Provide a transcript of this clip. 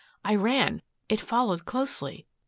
I ran. It followed closely.